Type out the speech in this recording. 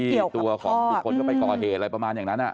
ที่ตัวของทุกคนก็ไปก่อเหตุอะไรประมาณอย่างนั้น